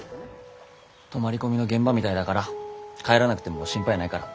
泊まり込みの現場みたいだから帰らなくても心配ないから。